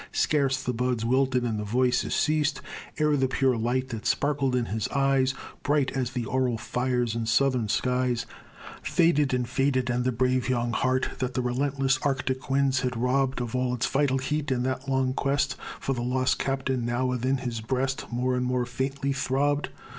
Scarce the buds wilted and the voices ceased Ere the pure light that sparkled in his eyes, Bright as auroral fires in Southern skies, Faded and faded! And the brave young heart That the relentless Arctic winds had robb'd Of all its vital heat, in that long quest For the lost captain, now within his breast More and more faintly throbb'd.